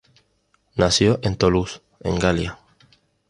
Nació en Toulouse, en Galia.